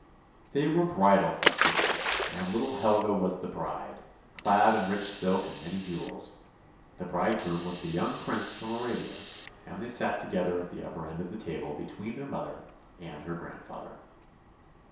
They were bridal festivities, and little Helga was the bride, clad in rich silk and many jewels. The bridegroom was the young prince from Arabia, and they sat together at the upper end of the table between her mother and her grandfather.